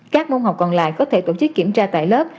các môn học còn lại có thể tổ chức kiểm tra tại lớp